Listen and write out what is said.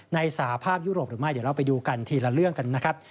สาภาพยุโรปหรือไม่เดี๋ยวเราไปดูกันทีละเรื่องกันนะครับ